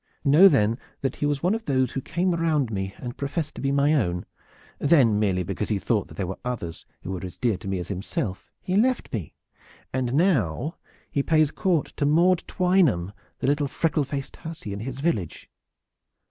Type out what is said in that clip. Know then that he was one of those who came around me and professed to be my own. Then, merely because he thought that there were others who were as dear to me as himself he left me, and now he pays court to Maude Twynham, the little freckle faced hussy in his village."